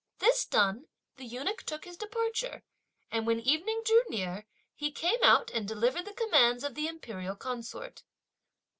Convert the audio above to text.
This done, the eunuch took his departure, and when evening drew near, he came out and delivered the commands of the imperial consort.